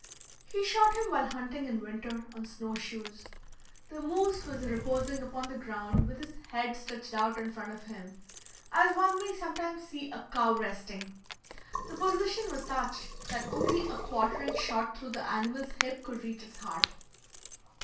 He shot him while hunting in winter on snow shoes. The moose was reposing upon the ground, with his head stretched out in front of him, as one may sometimes see a cow resting. The position was such that only a quartering shot through the animal's hip could reach its heart.